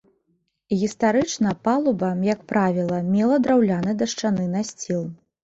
Гістарычна палуба, як правіла, мела драўляны дашчаны насціл.